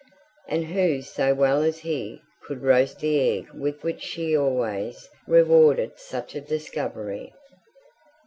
and who so well as he could roast the egg with which she always rewarded such a discovery?